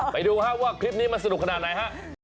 ไปดูครับว่าคลิปนี้มันสนุกขนาดไหนฮะ